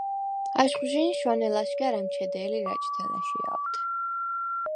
აშხვჟი̄ნ შვანე ლაშგა̈რ ა̈მჩედე̄ლი რაჭთე ლა̈შია̄ლთე.